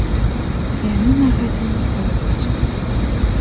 Яны на гэта не пойдуць.